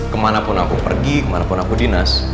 kemanapun aku pergi kemana pun aku dinas